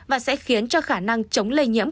và sẽ khiến cho khả năng chống lây nhiễm